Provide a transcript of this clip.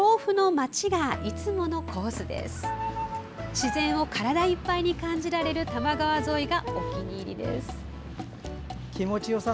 自然を体いっぱいに感じられる多摩川沿いがお気に入りです。